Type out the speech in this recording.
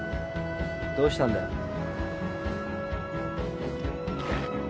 どうしたんだよ？